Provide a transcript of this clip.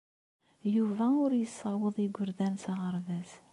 Yuba ur yessaweḍ igerdan s aɣerbaz.